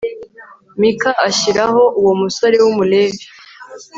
mika ashyiraho uwo musore w'umulevi